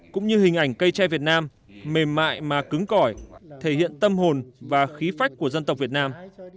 cũng như hình ảnh cây tre việt nam mềm mại mà cứng cõi thể hiện tâm hồn và khí phách của dân tộc việt nam